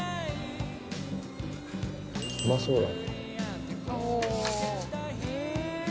うまそうだ。